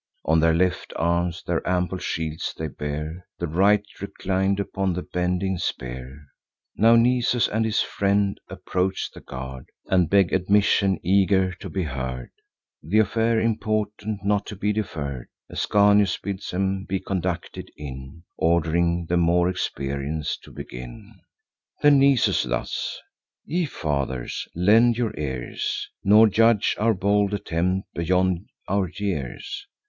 On their left arms their ample shields they bear, The right reclin'd upon the bending spear. Now Nisus and his friend approach the guard, And beg admission, eager to be heard: Th' affair important, not to be deferr'd. Ascanius bids 'em be conducted in, Ord'ring the more experienc'd to begin. Then Nisus thus: "Ye fathers, lend your ears; Nor judge our bold attempt beyond our years.